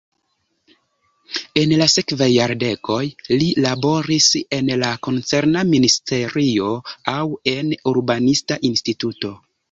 En la sekvaj jardekoj li laboris en la koncerna ministerio aŭ en urbanista instituto.